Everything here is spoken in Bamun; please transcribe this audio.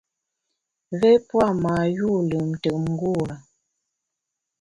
Mvé pua ndâ mâ yû lùmntùm ngure.